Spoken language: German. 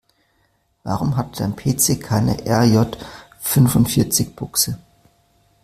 Warum hat dein PC keine RJ-fünfundvierzig-Buchse?